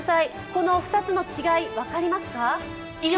この２つの違い、分かりますか？